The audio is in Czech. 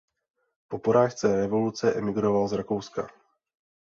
Po porážce revoluce emigroval z Rakouska.